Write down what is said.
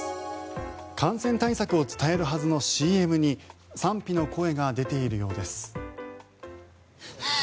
感染対策を伝えるはずのＣＭに賛否の声が出ているようです。